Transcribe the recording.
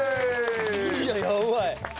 いややばい！